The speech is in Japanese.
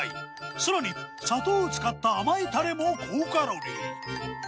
さらに砂糖を使った甘いタレも高カロリー。